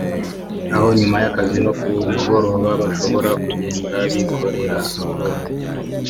aho nyuma y’akazi no ku mugoroba bashobora kugenda bikorera siporo